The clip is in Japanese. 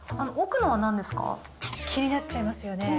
気になっちゃいますよね？